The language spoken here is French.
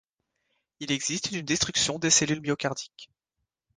Il existe une destruction des cellules myocardiques.